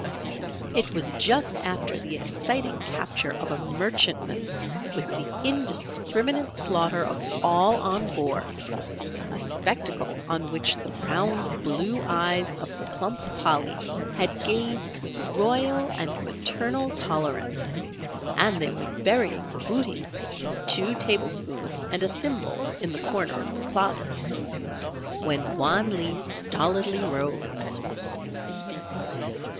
It was just after the exciting capture of a merchantman with the indiscriminate slaughter of all on board a spectacle on which the round blue eyes of the plump Polly had gazed with royal and maternal tolerance, and they were burying the booty two table spoons and a thimble in the corner of the closet, when Wan Lee stolidly rose.